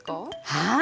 はい！